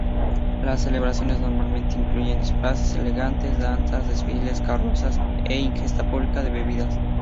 Las celebraciones normalmente incluyen disfraces elegantes, danzas, desfiles, carrozas e ingesta pública de bebidas.